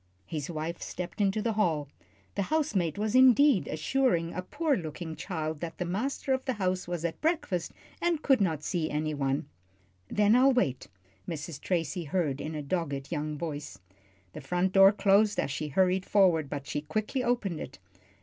His wife stepped into the hall. The housemaid was indeed assuring a poor looking child that the master of the house was at breakfast and could not see any one. "Then I'll wait," Mrs. Tracy heard in a dogged young voice. The front door closed as she hurried forward, but she quickly opened it.